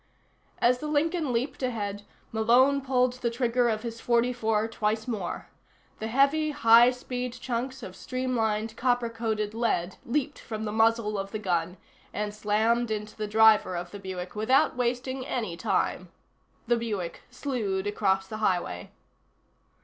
As the Lincoln leaped ahead, Malone pulled the trigger of his .44 twice more. The heavy, high speed chunks of streamlined copper coated lead leaped from the muzzle of the gun and slammed into the driver of the Buick without wasting any time. The Buick slewed across the highway.